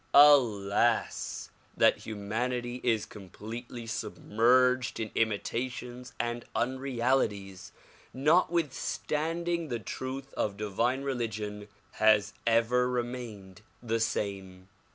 Alas! that humanity is completely submerged in imitations and unrealities notwithstanding the truth of divine religion has ever remained the same.